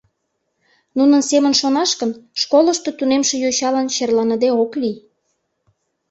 Нунын семын шонаш гын, школышто тунемше йочалан черланыде ок лий.